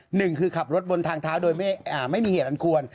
หนึ่งคือขับรถบนทางเท้าโดยไม่มีเหตุอันควร